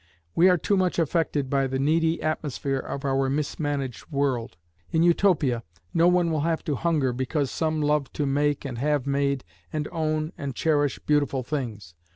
We are too much affected by the needy atmosphere of our own mismanaged world. In Utopia no one will have to hunger because some love to make and have made and own and cherish beautiful things.